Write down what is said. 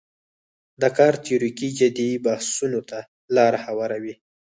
دا کار تیوریکي جدي بحثونو ته لاره هواروي.